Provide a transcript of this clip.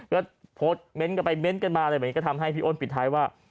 ก็โพสต์เม้นต์กันไปเน้นกันมาอะไรแบบนี้ก็ทำให้พี่อ้นปิดท้ายว่า